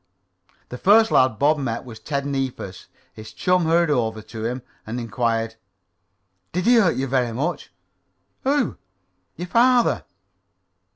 The first lad Bob met was Ted Neefus. His chum hurried up to him and Inquired: "Did he hurt you very much?" "Who?" "Your father."